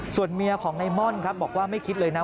ส่วนเมียของในม่อนครับบอกว่าไม่คิดเลยนะ